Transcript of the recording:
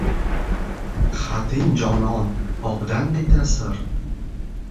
Xating, jonon, obdan beta’sir